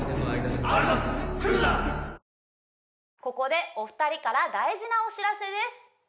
ここでお二人から大事なお知らせです